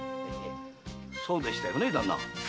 そうでしたよね旦那？